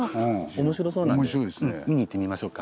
面白そうなので見に行ってみましょうか。